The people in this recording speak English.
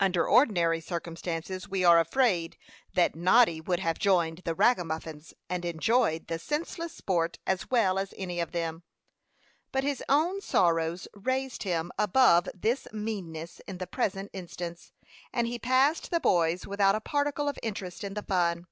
Under ordinary circumstances, we are afraid that Noddy would have joined the ragamuffins and enjoyed the senseless sport as well as any of them; but his own sorrows raised him above this meanness in the present instance, and he passed the boys without a particle of interest in the fun.